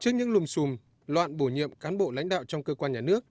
trước những lùm xùm loạn bổ nhiệm cán bộ lãnh đạo trong cơ quan nhà nước